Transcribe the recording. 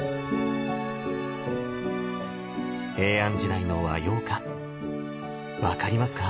平安時代の和様化分かりますか？